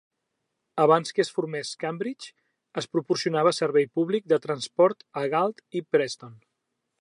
Abans que es formés Cambridge, es proporcionava servei públic de transport a Galt i Preston.